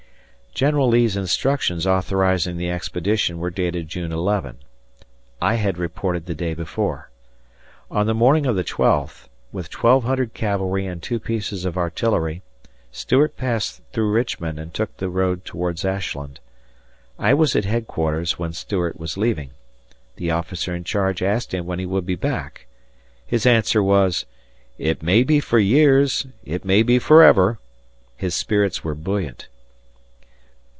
General Lee's instructions authorizing the expedition were dated June 11. I had reported the day before. On the morning of the twelfth with 1200 cavalry and two pieces of artillery Stuart passed through Richmond and took the road towards Ashland. I was at headquarters when Stuart was leaving. The officer in charge asked him when he would be back. His answer was, "It may be for years, it may be forever." His spirits were buoyant.